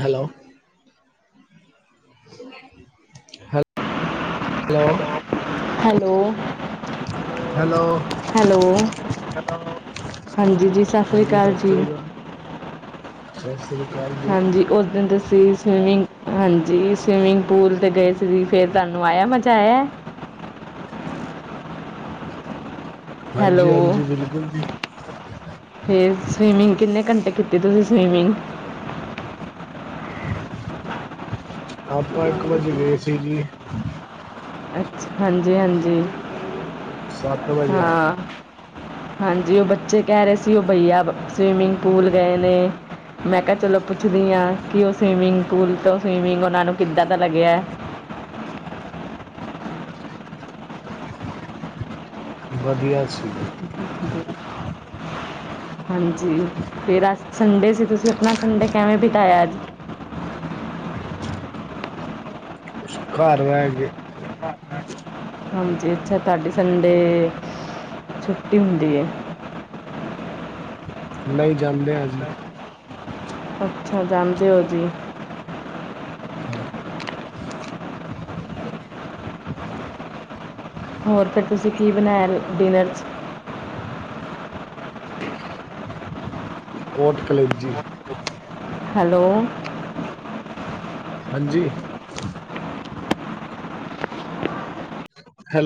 Hello ਹੈ hello hello hello ਹਾਂਜੀ ਜੀ ਸਤਿ ਸ਼੍ਰੀ ਹਾਂਜੀ ਅਕਾਲ ਸਤਿ ਜੀ। ਸ੍ਰੀ ਅਕਾਲ। [unintelligible] ਜੀ, ਹਾਂਜੀ ਉਸ ਦਿਨ ਤੁਸੀਂ ਸਵੀਮਿੰਗ ਹਾਂਜੀ ਸਵੀਮਿੰਗ ਪੂਲ ਤੇ ਗਏ ਫਿਰ ਤੁਹਾਨੂੰ ਆਇਆ ਮਜ਼ਾ ਆਇਆ। [unintelligible] ਹੈਲੋ ਹਾਂਜੀ ਹਾਂਜੀ ਬਿਲਕੁਲ ਜੀ। ਫੇਰ ਸਵੀਮਿੰਗ ਕਿੰਨੇ ਘੰਟੇ ਕੀ ਤੀ ਤੁਸੀਂ ਸਵਿਮਿੰਗ? ਆਪਾਂ ਇੱਕ ਵਜੇ ਗਏ ਸੀ ਜੀ। ਅੱਛ ਹਾਂਜੀ-ਹਾਂਜੀ ਸੱਤ ਵਜੇ ਆਏ। ਹਾਂਜੀ ਉਹ ਬੱਚੇ ਕਹਿ ਰਹੇ ਸੀ ਉਹ ਬਈਆ ਸਵੀਮਿੰਗ ਪੂਲ ਗਏ ਨੇ ਮੈਂ ਕਿਹਾ ਚਲੋ ਪੁੱਛਦੀ ਹਾਂ ਕਿ ਉਹ ਸਵੀਮਿੰਗ ਪੂਲ ਤੋਂ ਸਵੀਮਿੰਗ ਉਹਨਾਂ ਨੂੰ ਕਿੱਦਾਂ ਦਾ ਲੱਗਿਆ। ਵਧੀਆ ਸੀ। ਹਾਂਜੀ ਫਿਰ ਅ ਸੰਡੇ ਸੀ ਤੁਸੀਂ ਆਪਣਾ ਸੰਡੇ ਕਿਵੇਂ ਬਿਤਾਇਆ ਅੱਜ। ਘਰ ਹੈ ਗਏ। ਹਾਂਜੀ ਅੱਛਾ ਤੁਹਾਡੀ ਸੰਡੇ ਛੁੱਟੀ ਹੁੰਦੀ ਹੈ। ਨਹੀਂ ਜਾਂਦੇ ਹ ਜੀ। ਅੱਛਾ ਜਾਂਦੇ ਹੋ ਜੀ। ਹੋਰ ਫਿਰ ਤੁਸੀਂ ਕੀ ਬਣਾਇਆ ਡਿਨਰ ਚ? ਪੋਟ ਕਲੇਜੀ। ਹੈਲੋ ਹਾਂਜੀ ਹੈਲੋ।